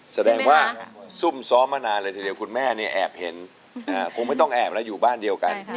แสดงว่าซุ่มซ้อมมานานเลยทีเดียวคุณแม่เนี่ยแอบเห็นคงไม่ต้องแอบแล้วอยู่บ้านเดียวกัน